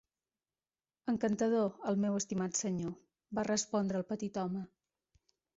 "Encantador, el meu estimat senyor", va respondre el petit home.